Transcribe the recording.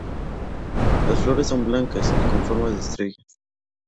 Las flores son blancas y con forma de estrella.